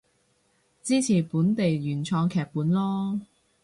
支持本地原創劇本囉